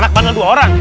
anak banel dua orang